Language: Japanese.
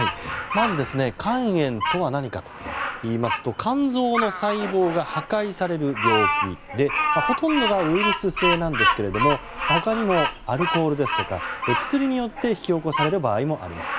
まず、肝炎とは何かといいますと肝臓の細胞が破壊される病気でほとんどがウイルス性なんですけど他にも、アルコールですとか薬によって引き起こされる場合もあります。